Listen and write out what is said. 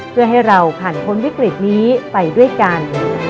เพื่อให้เราผ่านพ้นวิกฤตนี้ไปด้วยกัน